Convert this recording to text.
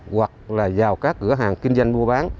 hoặc là vào các cửa hàng kinh doanh mua bán